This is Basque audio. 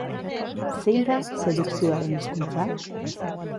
Zein da sedukzioaren hizkuntza?